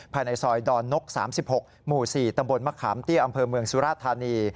ภายในซอยดอนนก๓๖หมู่๔ตำบลมะขามเตี้ยอำเภอเมืองสุราธานี